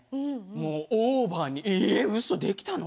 もうオーバーに「えうそできたの？